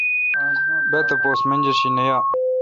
با تاپوس منجرشی نہ یا۔